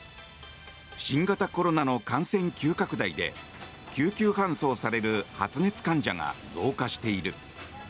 新型コロナの感染急拡大で救急搬送される発熱患者が増加している。